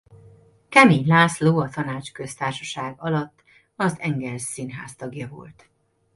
Kemény László a Tanácsköztársaság alatt az Engels Színház tagja volt.